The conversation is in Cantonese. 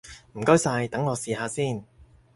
唔該晒，等我試下先！